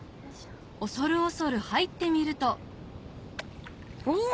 恐る恐る入ってみるとおぉ！